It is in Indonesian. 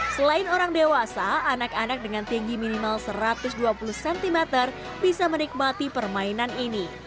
selain orang dewasa anak anak dengan tinggi minimal satu ratus dua puluh cm bisa menikmati permainan ini